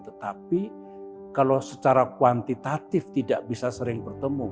tetapi kalau secara kuantitatif tidak bisa sering bertemu